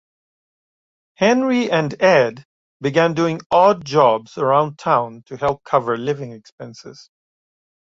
Henry and Ed began doing odd jobs around town to help cover living expenses.